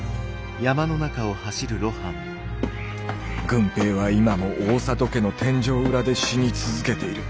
「郡平」は今も大郷家の天井裏で「死に続けて」いる。